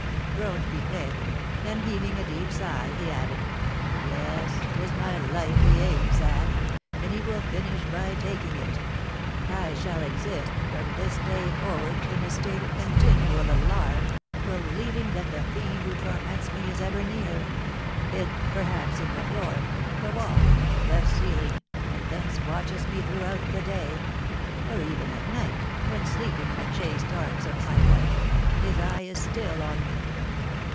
groaned Pipelet; then, heaving a deep sigh, he added, "Yes, 'tis my life he aims at; and he will finish by taking it. I shall exist, from this day forward, in a state of continual alarm, believing that the fiend who torments me is ever near, hid, perhaps, in the floor, the wall, the ceiling, and thence watches me throughout the day; or even at night, when sleeping in the chaste arms of my wife, his eye is still on me.